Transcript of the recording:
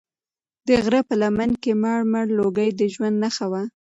د غره په لمنه کې مړ مړ لوګی د ژوند نښه وه.